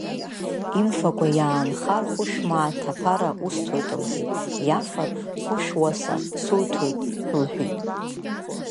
Иамфакәа иаанхар хәышәмааҭ аԥара усҭоит лҳәит, иафар хәышәуаса суҭоит лҳәит.